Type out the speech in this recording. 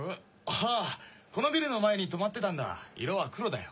あぁこのビルの前に停まってたんだ色は黒だよ。